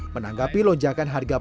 menanggapi lonjakan harga barang